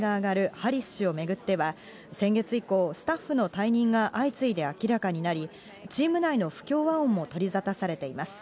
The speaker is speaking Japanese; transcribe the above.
ハリス氏を巡っては先月以降、スタッフの退任が相次いで明らかになり、チーム内の不協和音も取り沙汰されています。